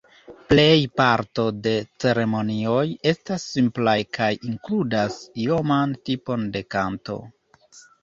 Plej parto de ceremonioj estas simplaj kaj inkludas ioman tipon de kanto.